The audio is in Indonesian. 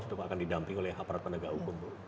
sudah akan didamping oleh aparat penegak hukum bu